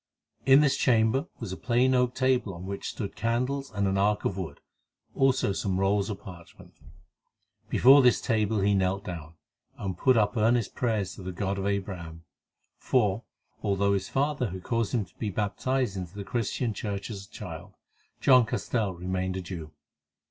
In this chamber was a plain oak table on which stood candles and an ark of wood, also some rolls of parchment. Before this table he knelt down, and put up earnest prayers to the God of Abraham, for, although his father had caused him to be baptized into the Christian Church as a child, John Castell remained a Jew.